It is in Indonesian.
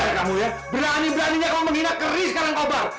kurang ajar kamu ya berani beraninya kamu menghina keris karangkobar